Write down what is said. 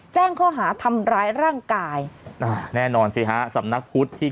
แจ้งข้อหาทำร้ายร่างกายอ่าแน่นอนสิฮะสำนักพุทธที่